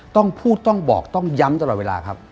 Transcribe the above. ต้องพูดต้องบอกต้องย้ำตลอดเวลาครับ